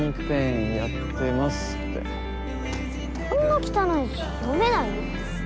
こんな汚い字読めないよ。